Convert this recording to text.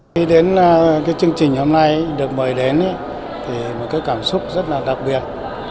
khi đến chương trình hôm nay được mời đến thì một cảm xúc rất là đặc biệt